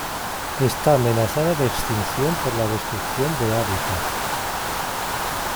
Está amenazada de extinción por la destrucción de hábitat.